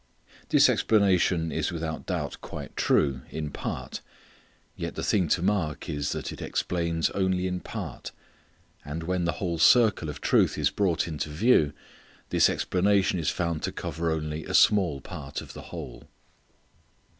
This explanation is without doubt quite true, in part. Yet the thing to mark is that it explains only in part. And when the whole circle of truth is brought into view, this explanation is found to cover only a small part of the whole.